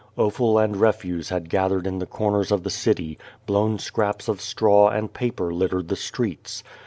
Offal and refuse had gathered in the corners of the city, blown scraps of straw and paper littered the streets.